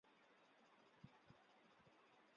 骏河沼津藩藩主。